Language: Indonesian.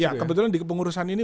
iya kebetulan di pengurusan ini